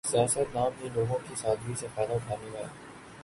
سیاست نام ہی لوگوں کی سادگی سے فائدہ اٹھانے کا ہے۔